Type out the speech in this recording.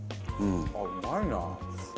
あっうまいな。